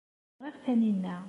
Ẓriɣ Taninna.